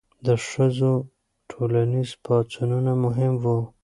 د ښځو ټولنیز پاڅونونه مهم وو.